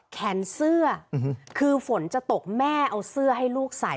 แขนเสื้อคือฝนจะตกแม่เอาเสื้อให้ลูกใส่